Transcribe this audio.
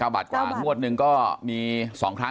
บาทกว่างวดหนึ่งก็มี๒ครั้ง